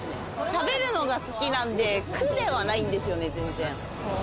食べるのが好きなんで、苦ではないんですよね、全然。